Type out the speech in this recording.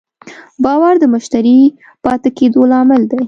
باور د مشتری پاتې کېدو لامل دی.